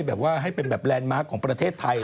แบบว่าให้เป็นแบบแลนดมาร์คของประเทศไทย